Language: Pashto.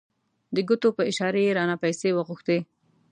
د ګوتو په اشاره یې رانه پیسې وغوښتې.